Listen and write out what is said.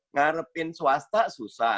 ngarapin swasta susah